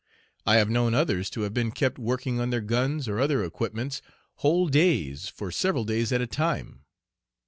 I have known others to have been kept working on their guns or other equipments whole days for several days at a time.